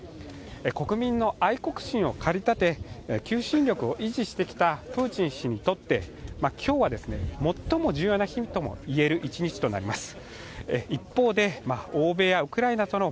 国民の愛国心を駆り立て、求心力を維持してきたプーチン氏にとって、今日は最も重要な日ともいえる一日となります。